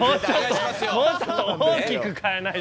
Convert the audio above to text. もうちょっと大きく変えないと。